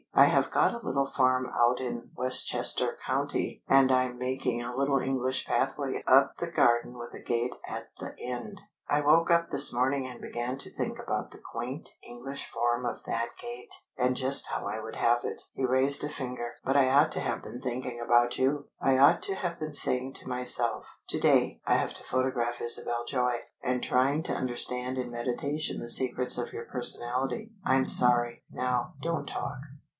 I have got a little farm out in Westchester County and I'm making a little English pathway up the garden with a gate at the end. I woke up this morning and began to think about the quaint English form of that gate, and just how I would have it." He raised a finger. "But I ought to have been thinking about you. I ought to have been saying to myself, 'To day I have to photograph Isabel Joy,' and trying to understand in meditation the secrets of your personality. I'm sorry! Now, don't talk.